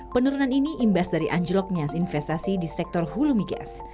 penurunan ini imbas dari anjloknya investasi di sektor hulu migas